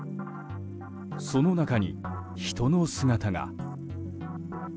その中に、人の姿が。